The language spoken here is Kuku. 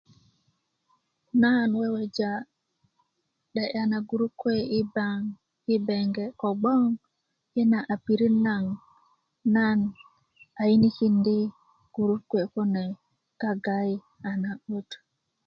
nan wewej 'de'ya na gurut kuwe i baŋ i benge kobgoŋ i na a pirit naŋ nan a yinikin di gurut kuwe kune gagayi a na'but